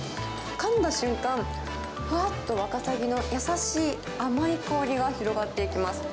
かんだ瞬間、ふわっとワカサギの優しい甘い香りが広がっていきます。